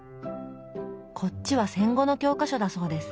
こっちは戦後の教科書だそうです。